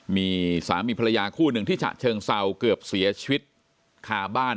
มีสามีภรรยาคู่หนึ่งที่ฉะเชิงเศร้าเกือบเสียชีวิตคาบ้าน